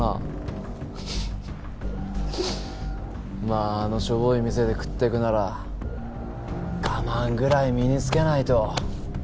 まああのショボい店で食っていくなら我慢ぐらい身につけないと。